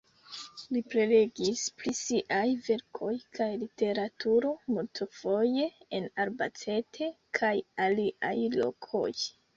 Li prelegis pri siaj verkoj kaj literaturo multfoje en Albacete kaj aliaj lokoj.